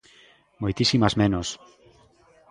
Moitísimas menos.